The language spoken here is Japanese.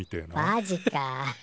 マジか。